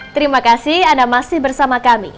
terima kasih anda masih bersama kami